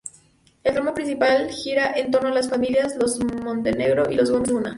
El drama principal gira en torno a dos familias, los Montenegro y los Gómez-Luna.